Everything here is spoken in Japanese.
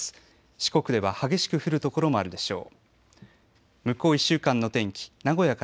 四国では激しく降る所もあるでしょう。